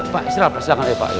pak israel silahkan ya pak